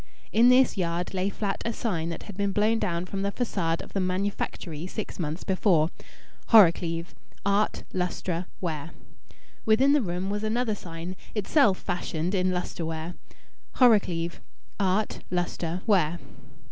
In this yard lay flat a sign that had been blown down from the façade of the manufactory six months before: "Horrocleave. Art Lustre Ware." Within the room was another sign, itself fashioned in lustre ware: "Horrocleave. Art Lustre Ware."